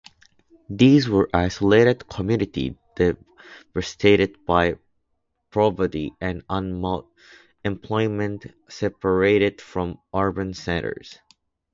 These were isolated communities devastated by poverty and unemployment, separated from urban centres.